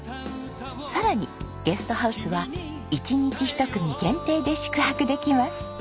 さらにゲストハウスは１日１組限定で宿泊できます。